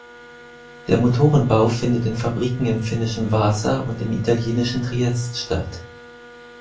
Der Motorenbau findet in Fabriken im finnischen Vaasa und im italienischen Triest statt.